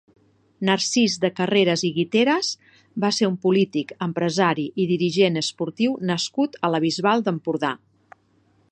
Narcís de Carreras i Guiteras va ser un polític, empresari i dirigent esportiu nascut a la Bisbal d'Empordà.